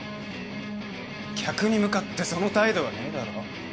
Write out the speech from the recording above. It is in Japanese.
客に向かってその態度はねえだろ？